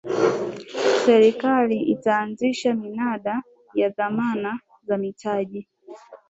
serikali itaanzisha minada ya dhamana za mitaji